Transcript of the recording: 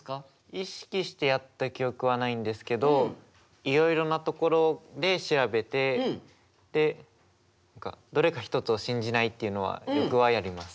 意識してやった記憶はないんですけどいろいろなところで調べてでどれか一つを信じないっていうのはよくはやります。